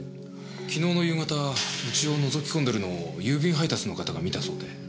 昨日の夕方うちをのぞき込んでるのを郵便配達の方が見たそうで。